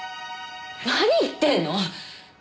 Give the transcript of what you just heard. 何言ってるの！？